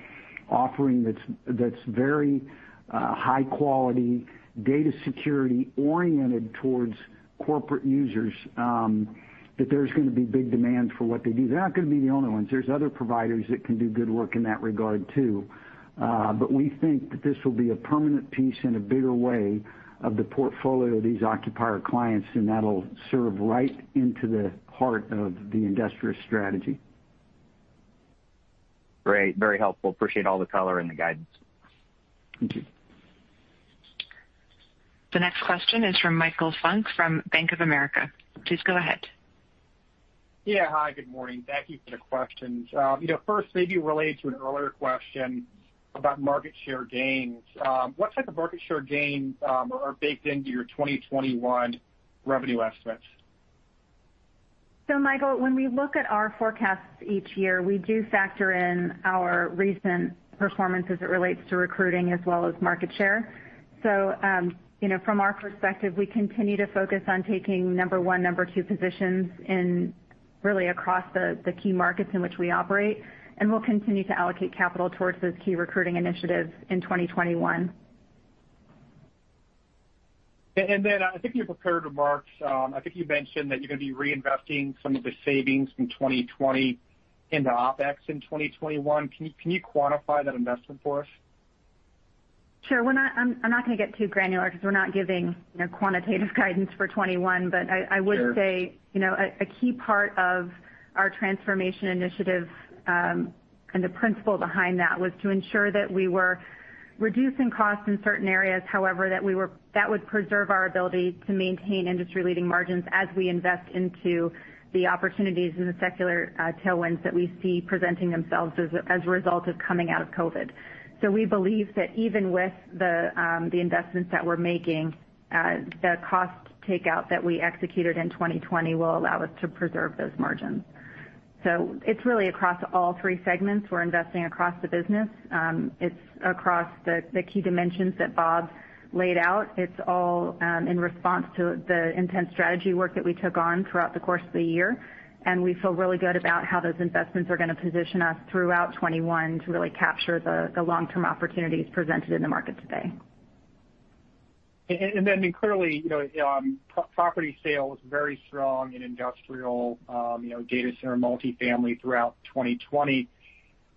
offering that's very high quality, data security oriented towards corporate users, that there's going to be big demand for what they do. They're not going to be the only ones. There's other providers that can do good work in that regard, too. We think that this will be a permanent piece in a bigger way of the portfolio of these occupier clients, and that'll serve right into the heart of the Industrious strategy. Great. Very helpful. Appreciate all the color and the guidance. Thank you. The next question is from Michael Funk from Bank of America. Please go ahead. Yeah. Hi, good morning. Thank Thank you for the questions. First, maybe related to an earlier question about market share gains. What type of market share gains are baked into your 2021 revenue estimates? Michael, when we look at our forecasts each year, we do factor in our recent performance as it relates to recruiting as well as market share. From our perspective, we continue to focus on taking number one, number two positions in really across the key markets in which we operate, and we'll continue to allocate capital towards those key recruiting initiatives in 2021. In your prepared remarks, I think you mentioned that you're going to be reinvesting some of the savings from 2020 into OpEx in 2021. Can you quantify that investment for us? Sure. I'm not going to get too granular because we're not giving quantitative guidance for 2021. Sure. I would say, a key part of our transformation initiative, and the principle behind that was to ensure that we were reducing costs in certain areas. That would preserve our ability to maintain industry leading margins as we invest into the opportunities and the secular tailwinds that we see presenting themselves as a result of coming out of COVID. We believe that even with the investments that we're making, the cost takeout that we executed in 2020 will allow us to preserve those margins. It's really across all three segments. We're investing across the business. It's across the key dimensions that Bob laid out. It's all in response to the intense strategy work that we took on throughout the course of the year, and we feel really good about how those investments are going to position us throughout 2021 to really capture the long-term opportunities presented in the market today. Clearly, property sales very strong in industrial, data center, multifamily throughout 2020.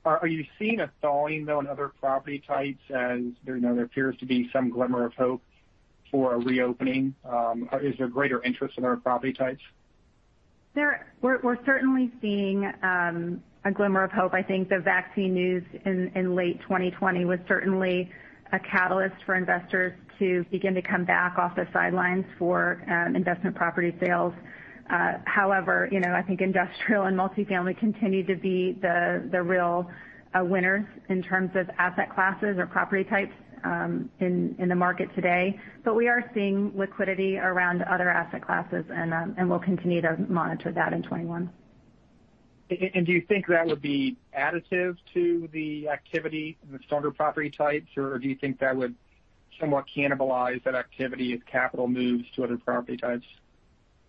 Are you seeing a thawing, though, in other property types as there appears to be some glimmer of hope for a reopening? Is there greater interest in other property types? We're certainly seeing a glimmer of hope. I think the vaccine news in late 2020 was certainly a catalyst for investors to begin to come back off the sidelines for investment property sales. However, I think industrial and multifamily continue to be the real winners in terms of asset classes or property types in the market today. We are seeing liquidity around other asset classes, and we'll continue to monitor that in 2021. Do you think that would be additive to the activity in the stronger property types, or do you think that would somewhat cannibalize that activity as capital moves to other property types?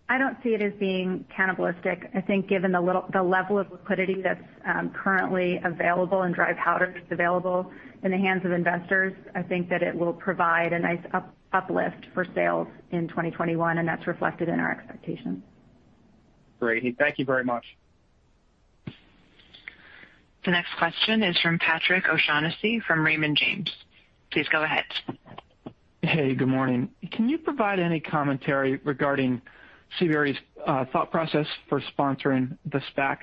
I don't see it as being cannibalistic. I think given the level of liquidity that's currently available and dry powder that's available in the hands of investors, I think that it will provide a nice uplift for sales in 2021, and that's reflected in our expectations. Great. Thank you very much. The next question is from Patrick O'Shaughnessy from Raymond James. Please go ahead. Hey, good morning. Can you provide any commentary regarding CBRE's thought process for sponsoring the SPAC?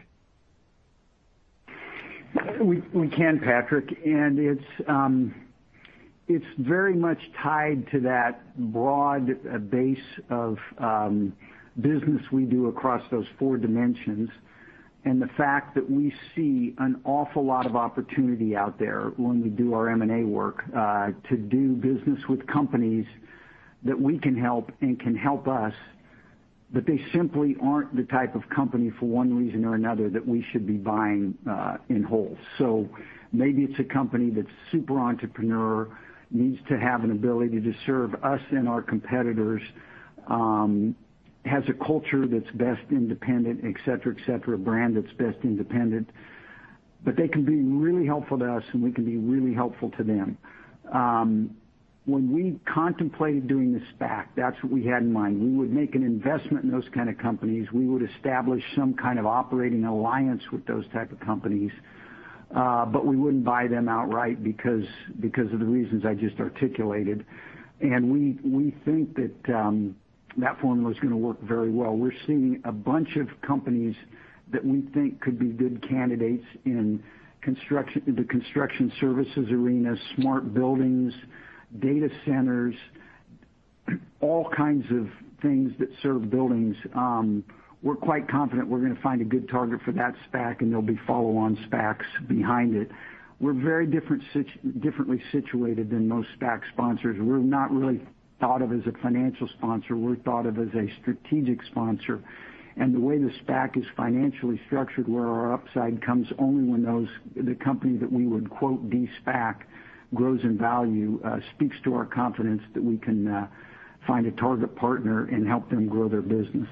We can, Patrick, and it's very much tied to that broad base of business we do across those four dimensions, and the fact that we see an awful lot of opportunity out there when we do our M&A work to do business with companies that we can help and can help us, but they simply aren't the type of company, for one reason or another, that we should be buying in whole. Maybe it's a company that's super entrepreneur, needs to have an ability to serve us and our competitors, has a culture that's best independent, et cetera, et cetera, brand that's best independent. They can be really helpful to us, and we can be really helpful to them. When we contemplated doing the SPAC, that's what we had in mind. We would make an investment in those kind of companies. We would establish some kind of operating alliance with those type of companies. We wouldn't buy them outright because of the reasons I just articulated. We think that that formula is going to work very well. We're seeing a bunch of companies that we think could be good candidates in the construction services arena, smart buildings, data centers, all kinds of things that serve buildings. We're quite confident we're going to find a good target for that SPAC, and there'll be follow-on SPACs behind it. We're very differently situated than most SPAC sponsors. We're not really thought of as a financial sponsor. We're thought of as a strategic sponsor. The way the SPAC is financially structured, where our upside comes only when the company that we would "de-SPAC" grows in value, speaks to our confidence that we can find a target partner and help them grow their business.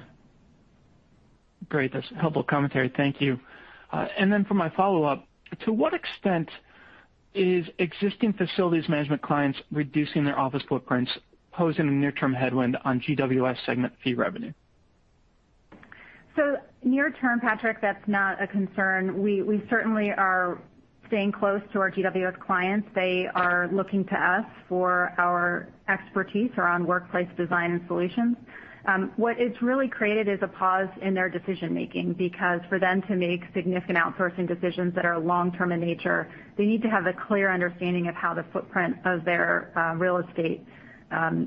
Great. That's helpful commentary. Thank you. For my follow-up, to what extent is existing facilities management clients reducing their office footprints posing a near-term headwind on GWS segment fee revenue? Near-term, Patrick, that's not a concern. We certainly are staying close to our GWS clients. They are looking to us for our expertise around workplace design and solutions. What it's really created is a pause in their decision-making, because for them to make significant outsourcing decisions that are long-term in nature, they need to have a clear understanding of how the footprint of their real estate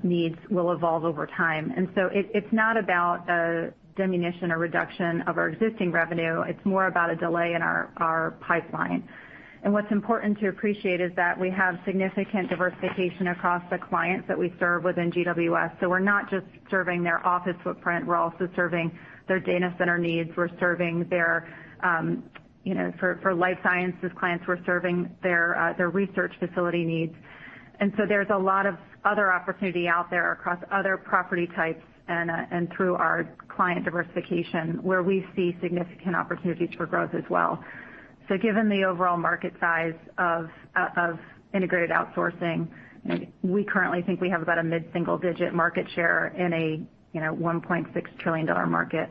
needs will evolve over time. It's not about a diminution or reduction of our existing revenue. It's more about a delay in our pipeline. What's important to appreciate is that we have significant diversification across the clients that we serve within GWS. We're not just serving their office footprint. We're also serving their data center needs. For life sciences clients, we're serving their research facility needs. There's a lot of other opportunity out there across other property types and through our client diversification, where we see significant opportunities for growth as well. Given the overall market size of integrated outsourcing, we currently think we have about a mid-single digit market share in a $1.6 trillion market.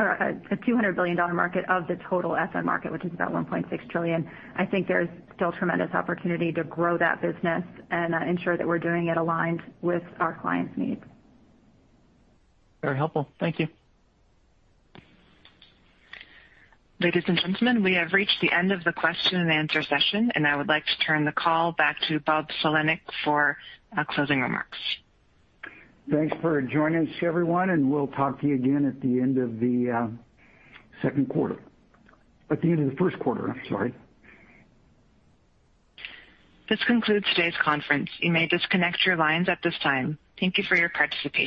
A $200 billion market of the total FM market, which is about $1.6 trillion. I think there's still tremendous opportunity to grow that business and ensure that we're doing it aligned with our clients' needs. Very helpful. Thank you. Ladies and gentlemen, we have reached the end of the question and answer session, and I would like to turn the call back to Bob Sulentic for closing remarks. Thanks for joining us, everyone, and we'll talk to you again at the end of the second quarter. At the end of the first quarter, I'm sorry. This concludes today's conference. You may disconnect your lines at this time. Thank you for your participation.